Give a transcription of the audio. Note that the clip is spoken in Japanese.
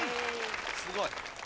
すごい。